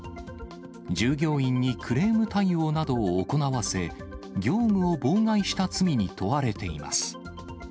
従業員にクレーム対応などを行わせ、業務を妨害した罪に問われています。